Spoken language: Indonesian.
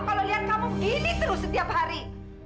kalau lihat kamu gini terus setiap hari